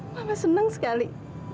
mama seneng sekali